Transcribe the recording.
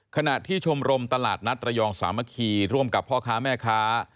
ขณะที่ชมรมตลาดนัดระยองสามัคคีร่วมกับพ่อค้าแม่ค้า